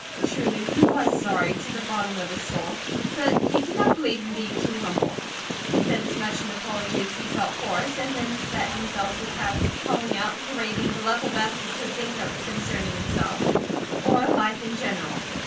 Truly he was sorry, to the bottom of his soul, but he did not believe in being too humble. He said as much in apology as he felt forced, and then set himself the task of calling out and parading the level best he could think up concerning himself, or life in general.